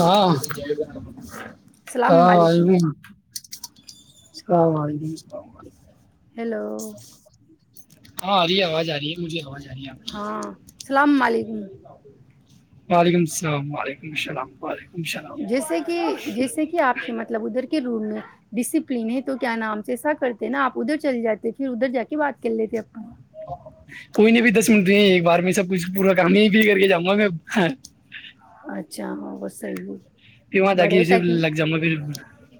ہاں السلام ہاں وال علیکم بھی ہاں وال توڑ [inaudible] ہیلو ہاں آ رہی ہے آواز آ رہی ہے مجھے بہت جا رہی ہے آپ اللام علیکم جیسے [unintelligible] رول میں ڈسپلن ہے تو کیا نام سے ایسا کرتے ہیں نا آپ ادھر چل جاتے پھر ادھر جا کے بات کر لیتے آپ کوئی نہیں بھی دس منٹ دیے ایک بار میں سب کچھ پورا کاانی پ کر کے جاوا گ اچھا وہ صحی ہے پ وہاں دگی بڑے اسے تاکہ لگ جاما پھر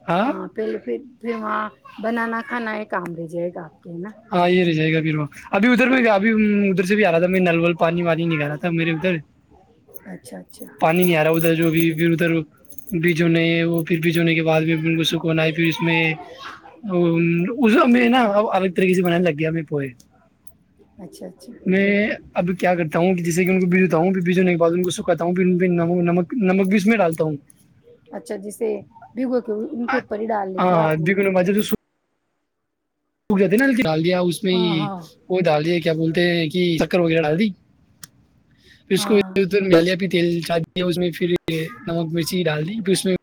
ہاں پہلے پھر پھر وہاں بنانا کھانا ایک کام رہ جائے گا کے ہے نا ہاں یہ رہی جائے گا بھییروا ابھی ادھر میں ابھی ادھر سے بھی آ میں نل ول پانی وانی نکال رہا تھا میرے ادھر اچھا اچھا پانی نہیں آ رہا ادھر جو بھی پھر ادھر بجوں نہیں پھر بج ہونے کے بعد بھی ان کو سکون ہے پھر اس میں اس میں نا الگ طریقے سے بنانے لگ گیا ہم پوئے اچھا اچھا میں ابھی کیا کرتا ہوں کہ جیسے ان کو بجوتا ہوں پھر بجنے کے بد ان کو سکاتا ہوں پھر نمک بھی اس میں ڈالتا ہوں اچھا جیسے بگو کے ان کے اوپر ہی ڈال لیتے ہے ہاں آپ نے رکھ جاتتے نا ڈال دیا اس میں ہاں ہی ہاں وہ ڈال دیا کیا بولتے ہیں کہ کرو لڑا دی پھر اس ہاں کوالیا پ تیل چاہی ہے اس میں پھر نمک چی ڈال دی پھر اس میں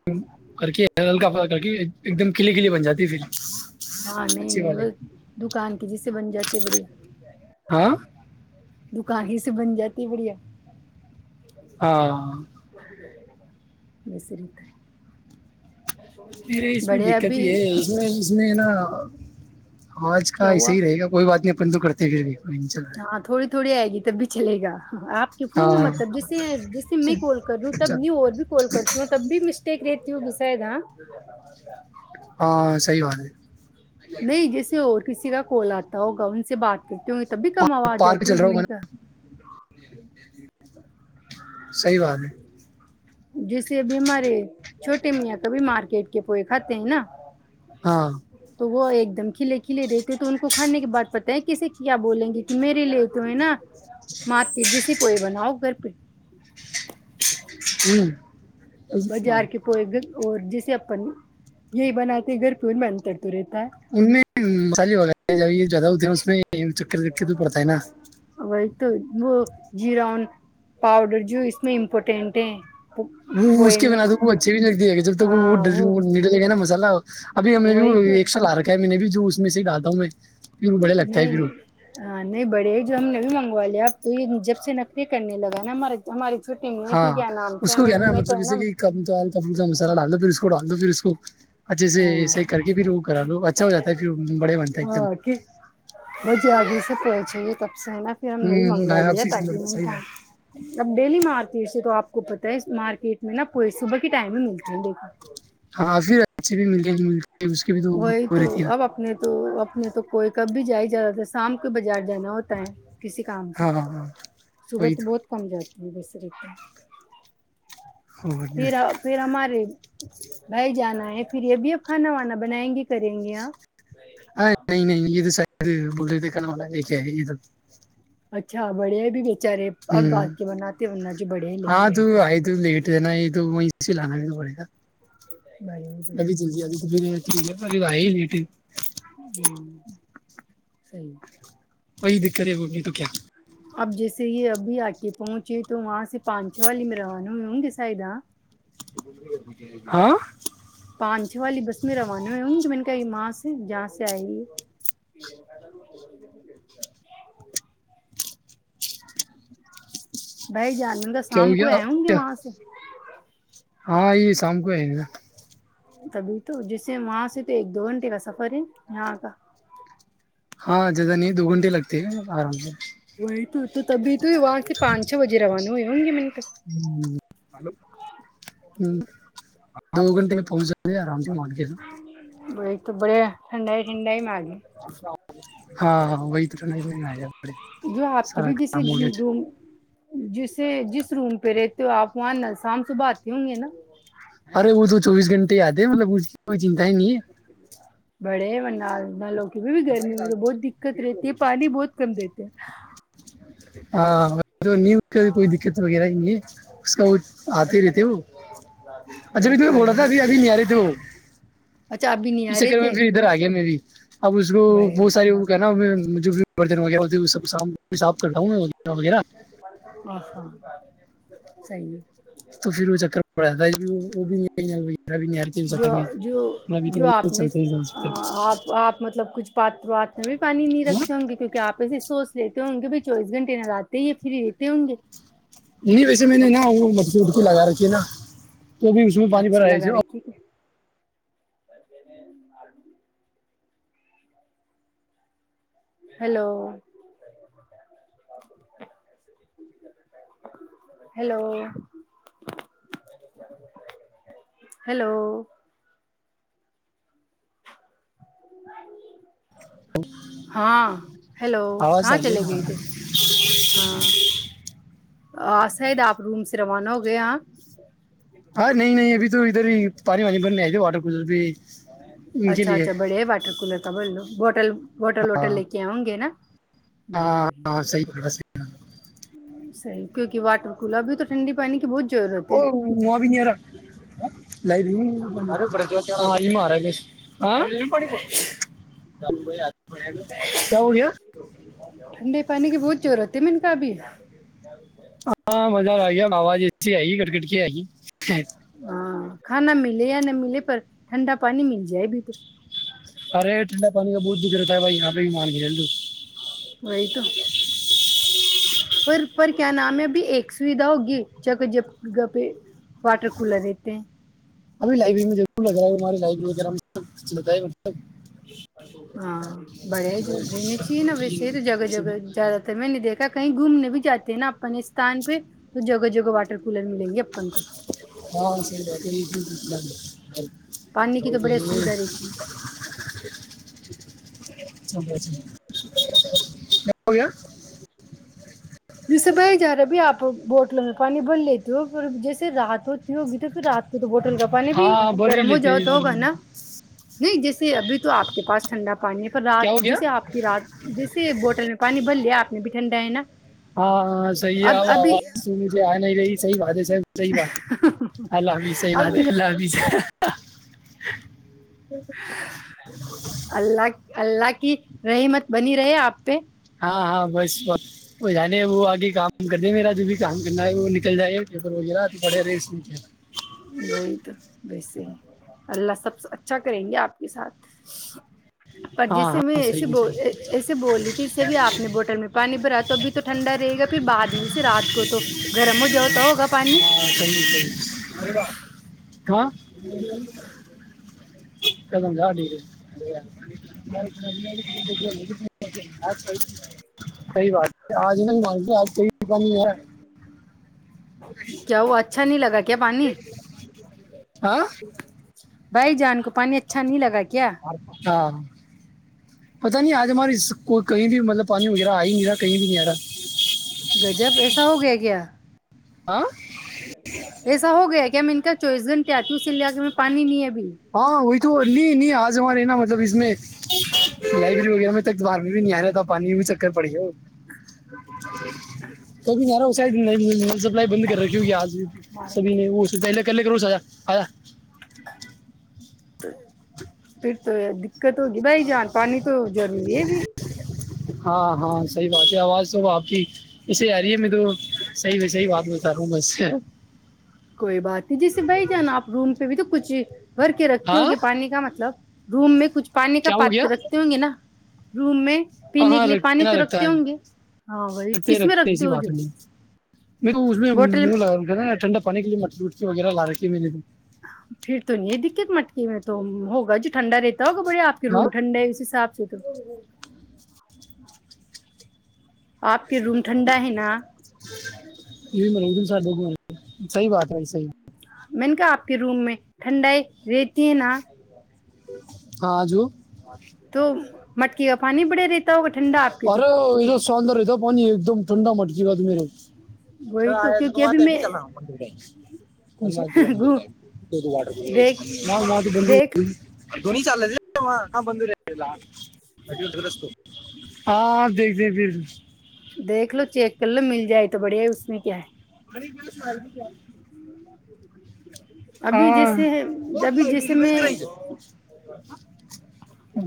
کر کے ہلکا پا کر کے ایک دم کلے کلیے بن جاتی ہے پھر ہاں نہیں اچھی نہیں والے بس دکان کے جس سے بن جاتے بڑے ہاں دکان ہی سے بن جاتی ہے بڑھیا ہاں بسریت نہیںے اس میں دقت یہ ہے اس میں اس میں نا آوج کا کیا ایسح ہوا ہی رہے گا کوئی بات نہیں اپن تو کرتے پھر بھی کوئی نہیں چل رہا ہے ہاں تھوڑی تھوڑی آئے گی تب بھی چلے گا آپ کے فون میں مطلب جیسے جیسے میں ہاں کال کر رہی ہوں تب اچھا نہیں اور بھی کال کرتی ہوں تب بھی بیک رہےتیو بسائےدا ہاں صحی بات ہے نہیں جیسے اور کسی کا کال آتا ہوگا ان سے بات کرتے ہوں تب بھی کم آواز جاتی ہوگی م نے کہا جی ج صحی بات ہے جیسے اب ہمارے چھوٹے میاں کبھی مارکیٹ کے پوئے کھاتے ہیں نا ہاں تو وہ ایک دم کھلے کھلے رہتے تو ان کو کھانے کے بد پت ہے کسے کیا بولیں گے کہ میرے لیے تو ہے نا مارکیٹ جیسے بناؤ گھر پہ ہوں بازار کی پئے گ اور جیسے اپن یہی بناتے گھر پور میں انتر تو رہتا ہے انالی یہ زدہ اس میں چکر چکے تو پڑتا ہے نا جیران پاؤڈر جو اس میں امپورٹینٹ ہے وہ اس پوئے کے میں بنا تو وہ اچھے بھی لگ د گے جب تک وہ ڈلے گا نا مسالہ ابھی ہمیں وہی بھی تو ایک سال آ رکھے ہے میں نے بھی جو اس میں سے ہی ڈاتا ہوں میں پھر وہ بڑے لگتا ہے پھر نہیں وہ نہیں بڑے جو ہم نے بھی مگ والے اب تو یہ جب سے نکری کرنے لگا نا ہمارے ہماری چھٹی میں ہاں کہ کیا نام اس سے کو کیا نا میں تو مطلب ہے جیسے کہ کم تو کا کا مسالا ڈال دو پھر اس کو ڈال دو پھر اس کو اچھے سے ہاں ایسے ہی کر کے پھر وہ کرا لو اچھا ہو جاتا ہے پھر بڑے بنتا ہے ایک دم ہاں کہ ٹھیک ہے نا پھر ہم نے بھی ہوں منگوا آپ لیا سے تاکہ میں صحیح بات نے اب ڈیلی مارکیٹ سے تو آپ کو پت ہے مارکیٹ میں نہا پور صبح کے ٹائم میں ملتے ہے دیکھو ہاں پھر اچھے بھی ملے گ م وہی تو اب اپنے تو تو کوئی کب بھی جائی جاتا تھا شام کے بج ہار جانا ہوتا ہے کسی کام سے ہاں ہاں ہاں صبح تو بہت کم جات م بسر کا ہاں پھر پھر ہماریے بھائی جانا ہے پھر یہ بھی اب کھانا وانا بنائیں گی کریں گی آاں ا نہیں نہیں یہ تو س بول رہی تھ ک ما یہ ہے یہ اچھا بڑھیا بھی بارے اب ہوں باات کے بنا ان چ بڑیا ہی لکھے ہاں تو آئے تے تو لیٹ ہے نا یہ تو وہیں سے لانا بھی پڑے گا بڑے بڑے ابھی چل ج ابھی کبھی [unintelligible] س رہئے نہیںٹ ہ سی [unintelligible] رید [unintelligible] کرے بوگی تو کیا اب جیسے یہ ابھی آک پہنچے تو وہاں سے پانچو والی میں روانہ ہوئے ہوں گے سائید ہاں ہ پانچ چھ والی بس میں روانہ ہو ہوں کہ میں نے کہ ماں سے جہاں سے آئی بائی جان انا کیا شام ہو کو گیا آ ہوں گے کیا وہاں سے ہاں یہ سام کو ہے نا تبھی تو جیسے وہاں سے تو ایک دو گھنٹے کا سفر ہے یہاں کا ہاں جزا نہیں دو گھٹے لگتے آرام سے وہی تو تو تبھی تو یہ آار سے پانچ چ بجے رہا ہو ان جو م ہوں ہ دو گھنٹے میں پہنچا آرام سے مال کے ب ایک تو بڑے ھنڈائی ٹھڈائی معگی ہاں ہاں وہی تو نہیں آیا بڑے جو آپ کی سارا بھی جیسے کام ہو گیا دوں جسے جس روم پہ رہتے ہو آپ وہاں شام صبح آتے ہوں گے نا ارے وہ تو چوبیس گھنٹے یاد ہے مطلب اس کی کوئی چنتا ہی نہیں ہے بڑے منا لوگ کیہ بھی گرمی میں تو بہت دقت رہتی ہے پانی بہت کم دیتے ہیں ہاں ہاں ج نی کوئی دقت وغیرہ ہے اس کا وہ آتے ہی رہتےے وہ ہیں اچھابھی ت بول رہا بڑے تھا ابھی ابھی نہیں آ رہے تھے وہ اچھا آپ بھی نہیں اس آ رہے چکر میں تھے پھر ادھر آ گیا میں بھی اب اس کو بڑے میں؟ بہت ساری وہ کیا ن جو بھیوردن ہو گیا وہ سب سام میں آاب کر رہا ہوں میں وغیرہ وغیرہ اچھا سی نہیں تو پھر وہ چکر پڑ جاتا ہے وہ وہ بھی نہیں آ- وغیرہ بھی نہیں آ رہی تھی اس چکر جو میں جو میں بھی جو تھوڑا یہ آپ نے چلتے ہیں اس طرف۔ آپ آپ مطلب کچھ پاتر وات میں بھی پانی نہیں ہاں؟ رکھتے ہوں گے کیونکہ آپ ایے سوچ لیتے ہوں ان کہ بھی چویس گھٹے نگات تو یہ پھر رہتے ہوں گے نہیں ویسے میں نے نا وہ مٹکی وٹکی لگا رکھی ہے نا تو بھی اس میں پانی بھر جے اور بال لو ہلو ہلو ہاں ہیلو آواز کہاں آ گئی چلے گئے نا تے ہاں آ شاید آپ روم سے روانہ ہو گئے ہاں ہاں نہیں نہیں ابھی تو ادھر ہی پانی وانی بننےئے تھے واٹر کور بھی ان کے اچھا لیے اچھا بڑے واٹر کولر کا بول لو بٹل ہوٹل ہاں ووٹل لے کے آؤ گے نا بڑے ب ہاں صحیح بول رہا ہاں صحی کیونکہ واٹر کولر بھی تو ٹنڈی پانی کی بہت ضرورت ہے او وہ بھی میرا [unintelligible] ہ [unintelligible] تمب [unintelligible] کہ وہ گ [unintelligible] ٹھنڈے پانی کی بہت ضرورت ہے من کا ابھی ہاں مزہ آ گیا آواز ایسی آئی کرکٹ کی آئی ہاں کھانا ملے یا نہ ملے پر ٹھنڈا پانی مل جائے بھی تو ارے ٹنڈا پانی کا بہت دک رہتا ہے بھائی یہاں پہ بھی مان کے چلو وہی تو پر کیا نام ہے ابھی ایک سویدھا ہوگی جب گھر پہ واٹر کولر رہتے ہیں ابھی لائبریری میں ضرور لگ رہا ہے ہمارے لائبریری وغیرہ مب مطلب ہاں بڑے ہی جو رہنے چاہیے نا ویسے جگہ جگہ زیادہ تر میں نے دیکھا کہیں گھومنے بھی جاتے ہیں نہ اپ پنستان پہ تو ج پر جب واٹر کولیر ملے گی جب ہاں صحیح بات ہے [unintelligible] پانی کی تو بڑی اسویدھا رہتی ہے [unintelligible] [unintelligible] جسے بھائی جارا آپی آپ بوٹلوں میں پانی بھر لیتے ہو پھر جیسے رات ہوتی ہوگی تو پھر رات کو تو بوٹل نل کا پانی بھی ہاں بری گرم ہو لیتے جاؤ ہیں، تو ہوگا بری۔ نا نہیں جس ابھی تو آ کے پاس ٹھنڈا پانی رات کیا ہو گیا جیسے آپ کی رات جیسے بوٹل میں پانی بھر ابھی بھی ٹھنڈا ہے نا ہاں ہاں صحی ہے اب آواز سھے آ نہیں رہی سح بات ہے صاحب صحی بات ہے اللہ حافیظ صحی اب بات ہے اللہ حافظ ا [inaudible] اللہ اللہ کی رحمت بنی رہے آپ پہ ہاں ہاں بس بت وہ جانے وہ آگے کام [unintelligible] وہی تو ویسے ہی اللہ سب اچھا کریں گے آپ کے ساتھ پر ہاں جیسے میں ہاں ایے صحیح ب صحیح ایسے بول رہ تھی جسے بھی آپ نے بوٹل میں پانی بھرا تو ابھی تو ٹھنڈا رہے گا پھر بعد میںے رات کو تو گرم ہو جاؤتا ہوگا پانی ہاں ہ ک آے سی بات آج میں مانگ آج کوی دکا کیا وہ اچھا نہیں لگا کیا پانی ہاں بھائی جان کو پانی اچھا نہیں لگا کیا پتا نہیں آج ہماری کو کہیں بھی مطلب پانی وغیرہ آ ہی نہیں رہا کہیں بھی نہیں آ رہا گجب ایسا ہو گیا کیا آاں ایسا ہو گیا میں ان کا چوائس گنٹ آتی ہوںی لیے آے میں پانی نہیں ہے بھی ہاں وہی تو نہیں نہیں آج ہمارے نا مطلب اس میں لائبریری وغیرہ میں ب تک باہر میں بھی نہیں آ رہا تھا پانی میں بھی چکر پڑی ہو کبھی نہیں آ رہا ا شاید نہیں سپلائی بند کر رکھی ہوگی آج سبھی نے وہ اس سے پہلے کے کرو سا آا پھر تو دقت ہوگی بھائی جان پانی تو ضروری ہے بھی ہاں ہاں صحیح بات ہے آواز تو آپ کی ایے آ رہی ہے میں تو صحیح صحیح بات بتا رہا ہوں بس کوئی بات نہیں جسے بی جان نا آپ روم پہ بھی تو کچچی بھر کے رکھتے ہاں ہو گے پانی کا مطلب روم میں کچھ پانی کا کیا ہو پات گیا رکھتے ہوں گے نا روم میں ہاں پینے کے ہاں لیے رکھتے پانی نا تو رکھتا ہے ہوں گے ہاں وہی رکھتے کس میں رکھتے ایسی ہو جو بات نہیں اس میں بوٹل منہ لگ نا ٹھنڈا پانی کے لیے م جوٹ سے وغیرہ لا رہے کے م نہیں پھر تو نہیں دقت مٹکی میں تو ہوگا جو ٹھڈا رہتا ہوگا بڑیاپ کے ہاں روم ٹھنڈ ہے اس ح سے آپ چ تو آپ کے روم ٹھنڈا ہے نا زد ب صحی بات بھائی صحی میں نے کہا آپ کے روم میں ٹھنڈائی رہتی ہے نا ہاں جو تو مٹکی کا پانی بڑے رہتا ہو ٹھنڈا آپ کی تو سندر ہے تھانی ایک دم ٹھنڈا مٹکی کاا ت میرے وہی آیا تو تو کیونکہ ابھی وہاںتے بھی میں چلاؤ مند ش کا مند ور دیکھ بندو دیکھ دون چ تھ ہاں بند رہےلہ ا گرست ہاں دیکھتے پھر دیکھ لو چیک ک لو مل جائے تو بڑھیا ہے اس میں کیا ہے اور ک ماہضی کیا ج ابھی جیسے ہے ابھی جیسے میں ہ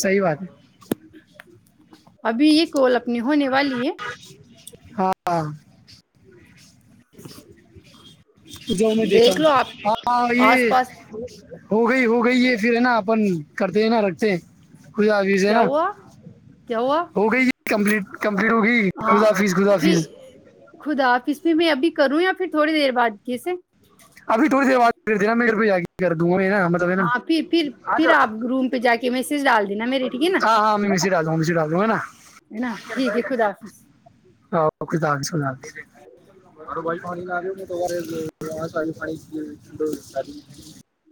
سی بات ہے ابھی یہ کولا اپنی ہونے والی ہے ہاں [inaudible] جؤ میں دیکھا دیکھ لو آپ ہاں آس یہ پاس ہو گئی ہو گئی یہ پھر ہے نا اپن کرتے ہیں نا رکھتے کھ عویز ہے کیا نا ہوا کیا ہوا ہو گئی کمپلیٹ کملیٹ ہوگی ہاں خدافظ خداف پھر خدا آفس میں میں ابھی کروں یا پھر تھوڑی دیر بد کیسے ابھی تھوڑی د آگ کر دوں گ ہاں پھر پھر پھر آپ روم پہ جا کے میسج ڈالتے ہاں ہاں ہم مس رہا ڈا ہےا ہے نا ٹھیک ہے خدا حافظ سو ب ف تو سال پانی کی کاری